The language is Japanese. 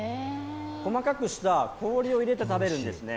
細かくした氷を入れて食べるんですね。